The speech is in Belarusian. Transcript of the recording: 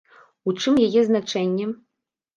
У чым яе значэнне?